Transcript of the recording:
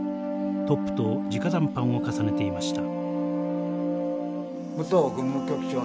トップとじか談判を重ねていました。